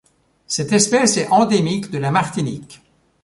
Cette espèce est endémique de la Martinique.